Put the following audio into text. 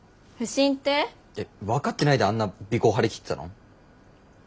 分かってないであんな尾行張り切ってたの？